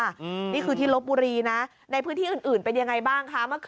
นี่คือที่ลบบุรีนะในพื้นที่อื่นอื่นเป็นยังไงบ้างคะ